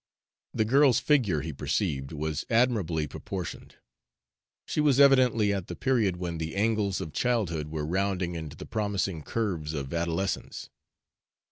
The girl's figure, he perceived, was admirably proportioned; she was evidently at the period when the angles of childhood were rounding into the promising curves of adolescence.